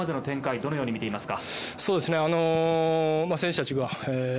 どのように見ていますか。